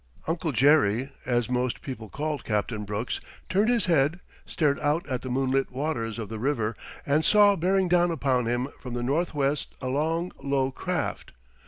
Uncle Jerry as most people called Captain Brooks turned his head, stared out at the moonlit waters of the river, and saw bearing down upon him from the northwest a long, low craft.